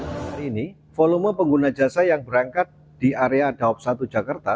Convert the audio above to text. saat ini volume pengguna jasa yang berangkat di area dawab satu jakarta